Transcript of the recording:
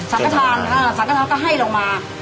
สังฆาธารค่ะสังฆาธารก็ให้เรามา